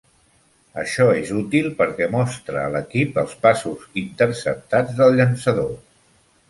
Això és útil perquè mostra a l'equip els passos interceptats del llançador.